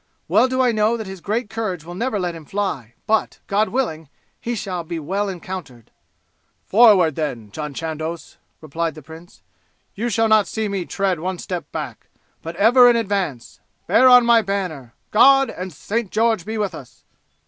Well do I know that his great courage will never let him fly, but, God willing, he shall be well encountered." "Forward, then, John Chandos," replied the prince. "You shall not see me tread one step back, but ever in advance. Bear on my banner. God and St. George be with us!"